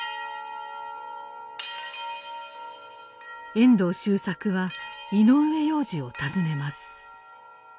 遠藤周作は井上洋治を訪ねます。